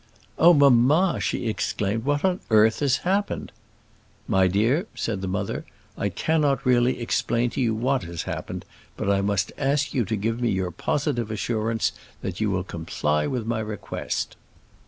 "Oh, mamma!" she exclaimed, "what on earth has happened?" "My dear," said the mother, "I cannot really explain to you what has happened; but I must ask you to give me your positive assurance that you will comply with my request."